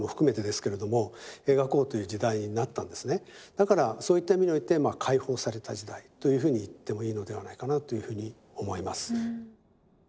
だからそういった意味において解放された時代というふうに言ってもいいのではないかなというふうに思います。